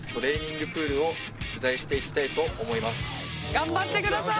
頑張ってください！